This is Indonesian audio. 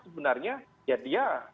sebenarnya ya dia